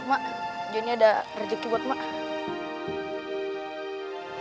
mak juni ada rezeki buat mak